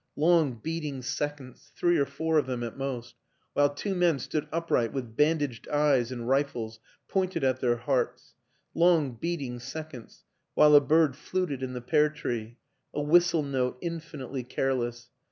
Long beating seconds (three or four of them at most) while two men stood upright with bandaged eyes and rifles pointed at their hearts; long beating seconds, while a bird fluted in the pear tree a whistle note infinitely care less.